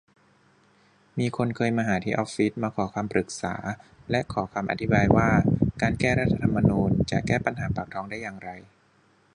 มีคนเคยมาหาที่ออฟฟิศ มาขอคำปรึกษาและขอคำอธิบายว่า การ แก้รัฐธรรมนูญ จะแก้ปัญหาปากท้องได้อย่างไร